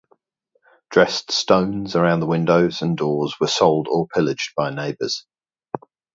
Dressed stones around the windows and doors were sold or pillaged by neighbours.